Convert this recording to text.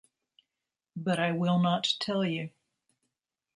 But I will not tell you.